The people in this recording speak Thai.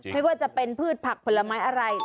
ไม่ว่าจะเป็นพืชผักผลไม้อะไร